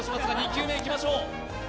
２球目、いきましょう。